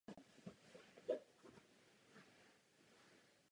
Toto vidíme například v regionu mezi Paříží, Londýnem a Antwerpami.